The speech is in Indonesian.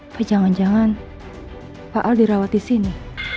apa jangan jangan pak aldi rawat di sini